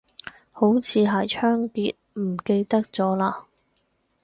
好似係倉頡，唔記得咗嘞